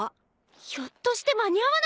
ひょっとして間に合わなかったの！？